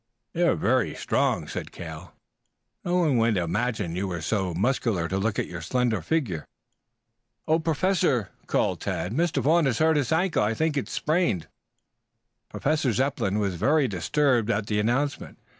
"You are very strong," said Cale. "No one would imagine you were so muscular to look at your slender figure." "Oh, Professor," called Tad, "Mr. Vaughn has hurt his ankle. I think it is sprained." Professor Zepplin was not a little disturbed at the announcement.